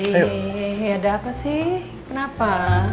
ini ada apa sih kenapa